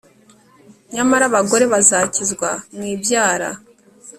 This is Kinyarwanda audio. Nyamara abagore bazakizwa mu ibyara